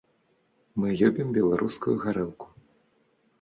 Мы любім беларускую гарэлку.